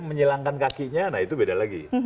menyilangkan kakinya nah itu beda lagi